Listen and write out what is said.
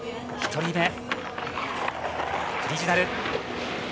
１人目、クリジュナル。